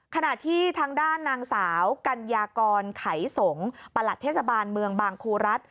ขณะที่ทางด้านนางสาวกัญญากรไขสงศ์ประหลัดเทศบาลเมืองบางครูรัฐ